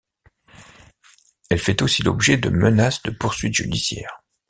Elle fait aussi l'objet de menaces de poursuites judiciaires.